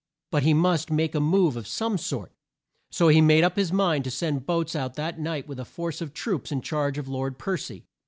But he must make a move of some sort, so he made up his mind to send boats out that night with a force of troops in charge of Lord Per cy.